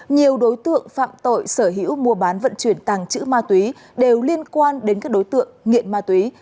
nhiều đối tượng phạm tội sở hữu mua bán vận chuyển tàng chữ ma túy đều liên quan đến các đối tượng nghiện ma túy